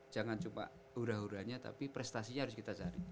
jangan cuma hura huranya tapi prestasinya harus kita cari